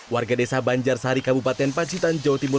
warga desa banjar sari kabupaten pacitan jawa timur